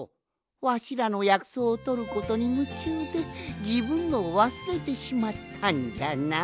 わしらのやくそうをとることにむちゅうでじぶんのをわすれてしまったんじゃな。